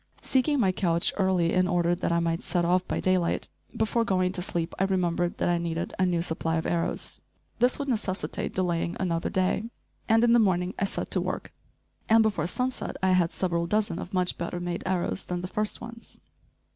Seeking my couch early in order that I might set off by daylight, before going to sleep I remembered that I needed a new supply of arrows. This would necessitate delaying another day, and in the morning I set to work, and before sunset I had several dozen of much better made arrows than the first ones.